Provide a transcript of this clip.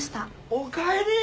おかえり！